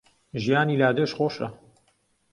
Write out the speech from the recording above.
ژیانی لادێش خۆشە